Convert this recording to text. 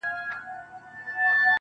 راسه چي الهام مي د زړه ور مات كـړ,